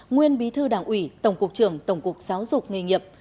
nguyên bí thư đảng ủy tổng cục trưởng tổng cục giáo dục nghề nghiệp